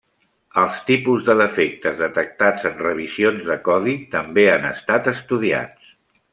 Els tipus de defectes detectats en revisions de codi també han estat estudiats.